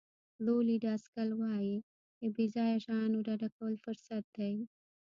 لولي ډاسکل وایي له بې ځایه شیانو ډډه کول فرصت دی.